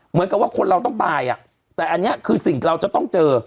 เหมือนกับว่าคนเราต้องตายอ่ะแต่อันนี้คือสิ่งเราจะต้องเจอ